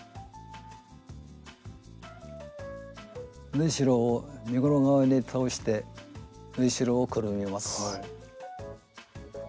縫いしろを身ごろ側に倒して縫いしろをくるみます。